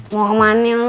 mau kemana lo